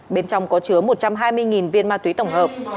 bên trong có chứa một trăm hai mươi viên ma túy tổng hợp